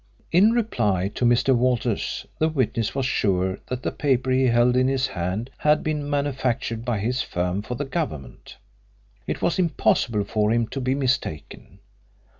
In reply to Mr. Walters the witness was sure that the paper he held in his hand had been manufactured by his firm for the Government. It was impossible for him to be mistaken.